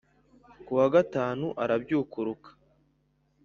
ku wa gatanu arabyukuruka